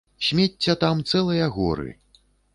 Смецця там цэлыя горы!